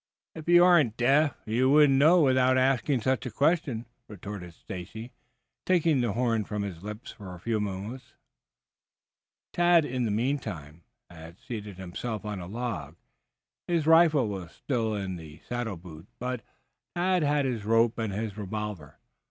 "If you aren't deaf, you would know without asking such a question," retorted Stacy, taking the horn from his lips for a moment. Tad in the meantime had seated himself on a log. His rifle was still in the saddle boot, but Tad had his rope and his revolver.